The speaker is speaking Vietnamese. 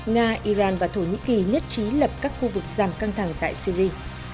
nga iran và thổ nhĩ kỳ nhất trí lập các khu vực giảm căng thẳng tại syri